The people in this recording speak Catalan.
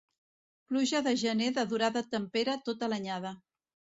Pluja de gener de durada tempera tota l'anyada.